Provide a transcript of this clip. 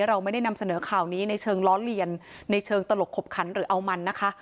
เราไม่ได้นำเสนอข่าวนี้ในเชิงล้อเลียนในเชิงตลกขบขันหรือเอามันนะคะ